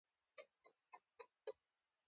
د رڼا تر خپرېدو وړاندې د ټګلیامنټو تر ساحل ورسېدو.